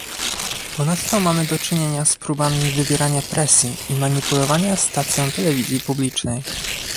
Ponadto mamy do czynienia z próbami wywierania presji i manipulowania stacją telewizji publicznej